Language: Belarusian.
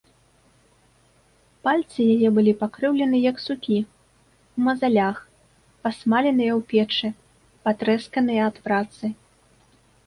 Пальцы яе былі пакрыўлены, як сукі, у мазалях, пасмаленыя ў печы, патрэсканыя ад працы.